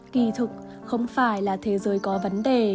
kỳ thực không phải là thế giới có vấn đề